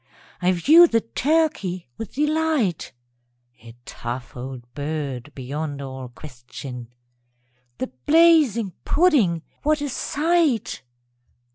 _) I view the turkey with delight, (A tough old bird beyond all question!) The blazing pudding what a sight!